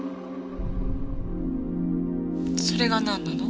それがなんなの？